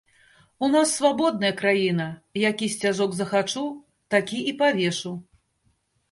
У нас свабодная краіна, які сцяжок захачу, такі і павешу.